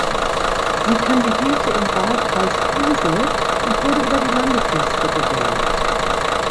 Sie kandidierte im Wahlkreis Kusel und wurde über die Landesliste gewählt.